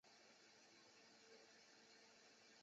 属于由带广车站管理的无人车站。